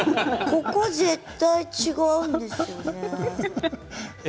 ここ絶対違うんですよね。